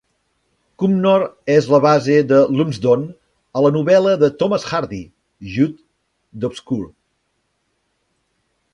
Cumnor és la base de Lumsdon a la novel·la de Thomas Hardy, Jude the Obscure.